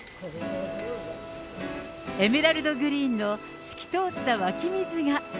エメラルドグリーンの透き通った湧き水が。